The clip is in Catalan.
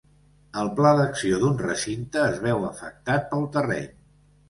El pla d'acció d'un recinte es veu afectat pel terreny.